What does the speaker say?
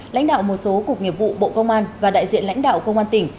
lãnh đạo một số cục nghiệp vụ bộ công an và đại diện lãnh đạo công an tỉnh